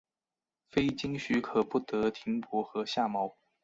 非经许可不得停泊和下锚。